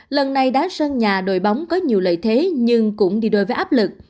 lần này đá sơn nhà đội bóng có nhiều lợi thế nhưng cũng đi đôi với áp lực